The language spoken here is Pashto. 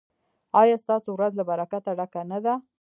ایا ستاسو ورځ له برکته ډکه نه ده؟